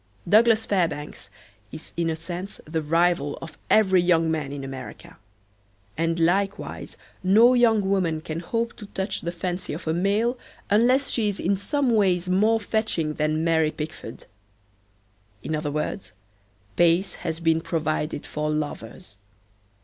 Douglas Fairbanks is in a sense the rival of every young man in America. And likewise no young woman can hope to touch the fancy of a male unless she is in some ways more fetching than Mary Pickford. In other words, pace has been provided for lovers.